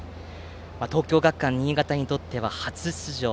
東京学館新潟にとっては初出場。